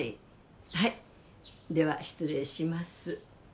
はいでは失礼します